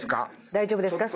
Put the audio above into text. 大丈夫ですか？